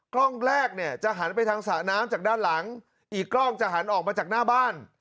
กล้องแรกเนี่ยจะหันไปทางสระน้ำจากด้านหลังอีกกล้องจะหันออกมาจากหน้าบ้าน